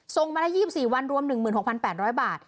ส่งมาได้๒๔วันรวม๑๖๘๐๐บาท